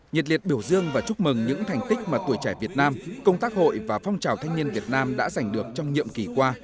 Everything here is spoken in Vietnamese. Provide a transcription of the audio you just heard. nhiệt liệt biểu dương và chúc mừng những thành tích mà tuổi trẻ việt nam công tác hội và phong trào thanh niên việt nam đã giành được trong nhiệm kỳ qua